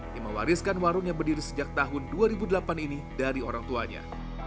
yang mewariskan warung yang berdiri sejak tahun dua ribu delapan ini dari orang tuanya